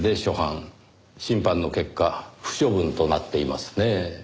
審判の結果不処分となっていますねぇ。